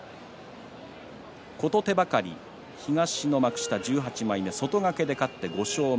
琴手計東の幕下１８枚目外掛けで勝って５勝目。